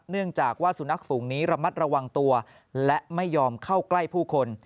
เนื่องจากว่าสุนัขฝูงนี้ระมัดระวังตัวและไม่ยอมเข้าใกล้ผู้คน